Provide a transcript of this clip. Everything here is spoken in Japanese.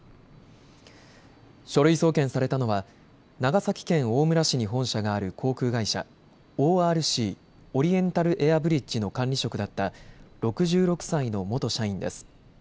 書類送検されたのは長崎県大村市に本社がある航空会社、ＯＲＣ・オリエンタルエアブリッジの管理職だった６６歳の元社員です。